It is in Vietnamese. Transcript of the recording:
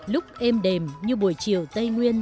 lúc êm đềm như buổi chiều tây nguyên